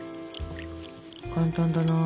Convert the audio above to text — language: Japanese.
簡単だな。